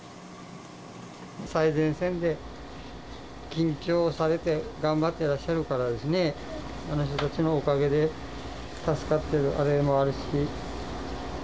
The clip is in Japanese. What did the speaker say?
最前線で緊張されて頑張ってらっしゃるからですね、あの人たちのおかげで助かってるあれもあるし。